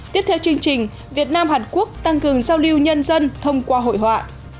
tiếp theo chương trình việt nam hàn quốc tăng cường giao lưu nhân dân thông qua hội họa